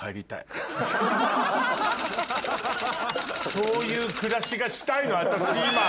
そういう暮らしがしたいの私今。